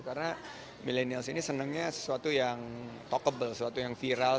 karena milenial ini senangnya sesuatu yang talkable sesuatu yang viral